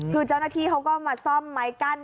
คือเจ้าหน้าที่เขาก็มาซ่อมไม้กั้น